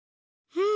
うん？